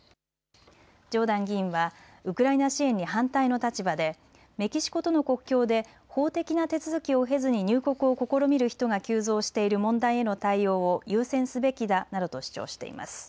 ジョーダン議員はウクライナ支援に反対の立場でメキシコとの国境で法的な手続きを経ずに入国を試みる人が急増している問題への対応を優先すべきだなどと主張しています。